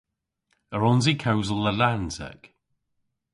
A wrons i kewsel Lallansek?